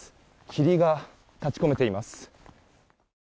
霧が立ち込めています。